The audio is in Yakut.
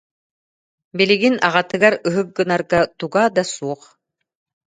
Билигин аҕатыгар ыһык гынарга туга да суох